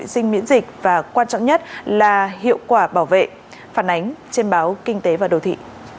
sinh miễn dịch và quan trọng nhất là hiệu quả bảo vệ phản ánh trên báo kinh tế và đồ thị